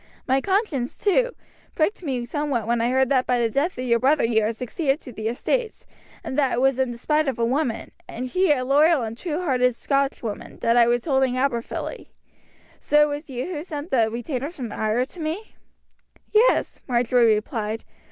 My conscience, too, pricked me somewhat when I heard that by the death of your brother you had succeeded to the estates, and that it was in despite of a woman, and she a loyal and true hearted Scotswoman, that I was holding Aberfilly. So it was you sent the retainers from Ayr to me?" "Yes," Marjory replied.